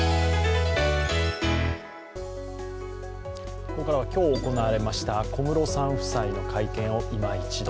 ここからは今日行われました小室さん夫妻の会見を今一度。